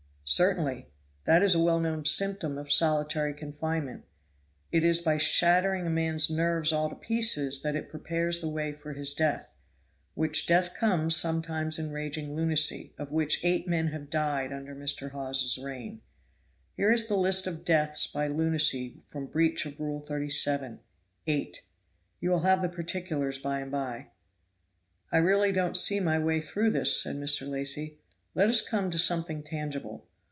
"Certainly; that is a well known symptom of solitary confinement; it is by shattering a man's nerves all to pieces that it prepares the way for his death, which death comes sometimes in raging lunacy, of which eight men have died under Mr. Hawes's reign. Here is the list of deaths by lunacy from breach of Rule 37, eight. You will have the particulars by and by." "I really don't see my way through this," said Mr. Lacy. "Let us come to something tangible.